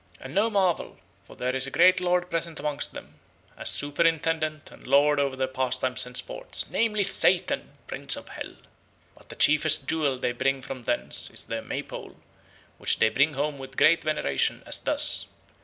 And no mervaile, for there is a great Lord present amongst them, as superintendent and Lord over their pastimes and sportes, namely, Sathan, prince of hel. But the chiefest jewel they bring from thence is their May pole, which they bring home with great veneration, as thus.